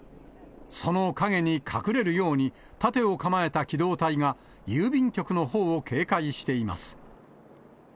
その陰に隠れるように、盾を構えた機動隊が郵便局のほうを警戒しています。